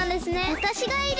わたしがいる！